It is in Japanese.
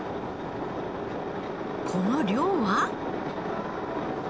この漁は？